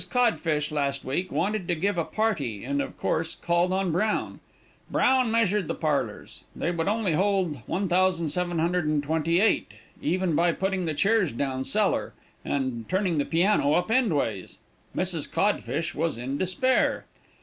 Codde Fishe last week wanted to give a party, and, of course, called on Brown. Brown measured the parlors; they would only hold 1728, even by putting the chairs down cellar, and turning the piano up endways. Mrs. Codde Fishe was in despair.